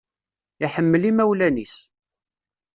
Iḥemmel imawlan-is